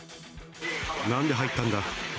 なんで入ったんだ。